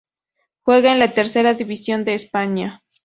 Juega en la Tercera división de España.